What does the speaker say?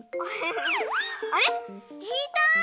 あれっいた！